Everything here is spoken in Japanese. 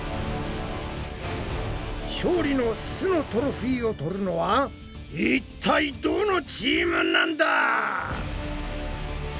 勝利の「す」のトロフィーを取るのはいったいどのチームなんだ！？